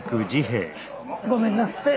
ごめんなすって。